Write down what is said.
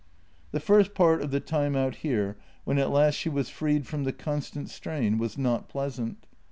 The first part of the time out here, when at last she was freed from the constant strain, was not pleasant.